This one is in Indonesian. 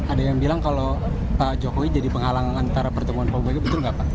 ada yang bilang kalau pak jokowi jadi penghalang antara pertemuan pak bega betul nggak pak